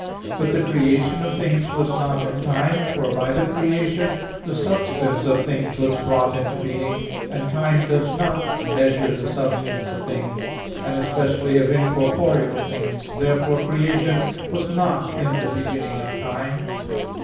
But the creation of things was not in time; for by the creation the substance of things was brought into being; and time does not measure the substance of things, and especially of incorporeal things. Therefore creation was not in the beginning of time.